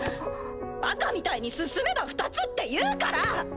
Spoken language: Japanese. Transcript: バカみたいに「進めば２つ」って言うから！